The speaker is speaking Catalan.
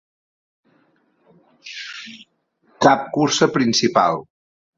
Cap cursa principal.